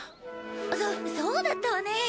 そそうだったわね。